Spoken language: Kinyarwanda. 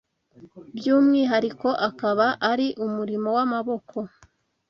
by’umwihariko akaba ari umurimo w’amaboko,